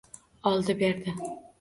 Oldi-berdi.